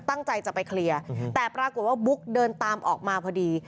ตั้งใจจะไปเคลียร์แต่ปรากฏว่าบุ๊กเดินตามออกมาพอดี